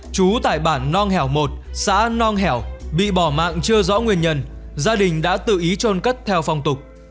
chú tại bản nong hẻo một xã nong hẻo bị bỏ mạng chưa rõ nguyên nhân gia đình đã tự ý trôn cất theo phong tục